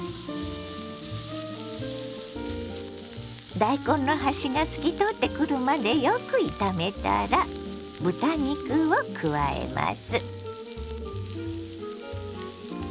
大根の端が透き通ってくるまでよく炒めたら豚肉を加えます。